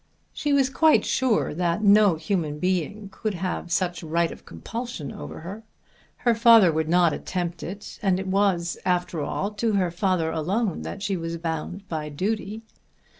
She was quite sure that no human being could have such right of compulsion over her. Her father would not attempt it, and it was, after all, to her father alone, that she was bound by duty.